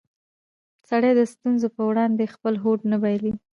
سړی د ستونزو په وړاندې خپل هوډ نه بایلي